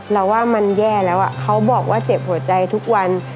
เราว่ามันแย่แล้วเขาบอกว่าเจ็บหัวใจทุกวัน